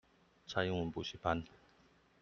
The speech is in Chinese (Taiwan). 菜英文補習班